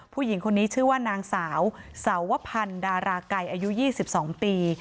ผู้หญิงคนนี้ชื่อว่านางสาวสาวพันธ์ดาราไก่อายุ๒๒ปี